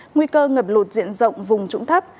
nguy cơ ngập lột diện rộng vùng trũng thấp